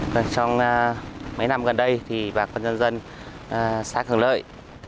trong mấy năm gần đây thì bà con dân dân xá cường lợi